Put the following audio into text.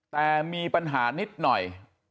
แต่มีปัญหานิดหน่อย